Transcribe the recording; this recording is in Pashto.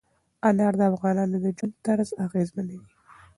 انار د افغانانو د ژوند طرز اغېزمنوي.